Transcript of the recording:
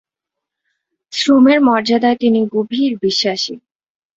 শ্রমের মর্যাদায় তিনি গভীর বিশ্বাসী।